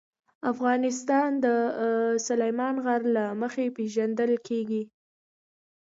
افغانستان د سلیمان غر له مخې پېژندل کېږي.